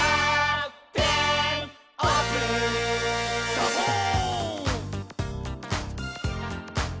「サボーン！」